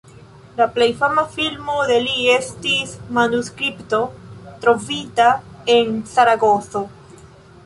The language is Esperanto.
La plej fama filmo de li estas "Manuskripto trovita en Zaragozo".